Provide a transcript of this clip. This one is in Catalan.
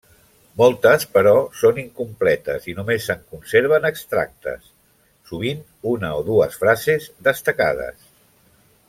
Moltes, però, són incompletes i només se'n conserven extractes, sovint una o dues frases destacades.